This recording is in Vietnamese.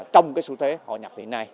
trong cái xu thế hội nhập hiện nay